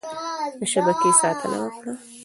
د شبکې ساتنه وکړه.